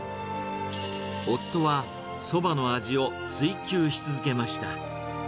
夫は、そばの味を追求し続けました。